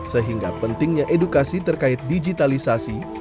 sehingga pentingnya edukasi terkait digitalisasi